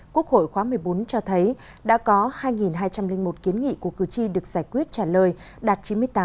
quốc hội khóa một mươi bốn cho thấy đã có hai hai trăm linh một kiến nghị của cử tri được giải quyết trả lời đạt chín mươi tám tám